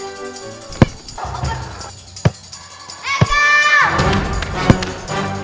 ini masak celah ustaz